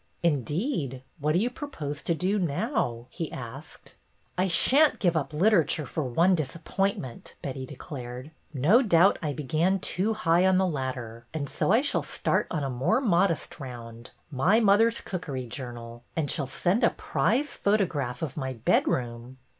" Indeed! What do you propose to do now? " he asked. " I sha'n't give up Literature for one disap pointment," Betty declared. " No doubt I began too high on the ladder, and so I shall start on a more modest round, My Mother's Cookery Jour nal, and shall send a prize photograph of my bedroom."